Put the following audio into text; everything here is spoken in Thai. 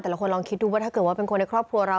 เราควรลองคิดดูว่าถ้าเกิดว่าเป็นคนในครอบครัวเรา